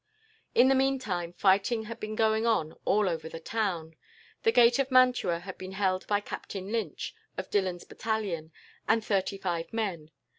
"In the meantime, fighting had been going on all over the town. The gate of Mantua had been held by Captain Lynch, of Dillon's battalion, and thirty five men.